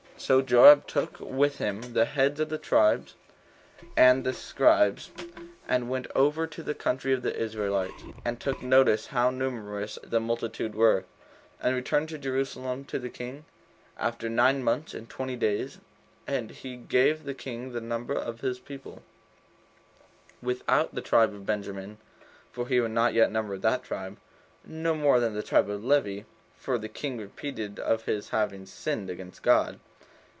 So Joab took with him the heads of the tribes, and the scribes, and went over the country of the Israelites, and took notice how numerous the multitude were, and returned to Jerusalem to the king, after nine months and twenty days; and he gave in to the king the number of the people, without the tribe of Benjamin, for he had not yet numbered that tribe, no more than the tribe of Levi, for the king repented of his having sinned against God.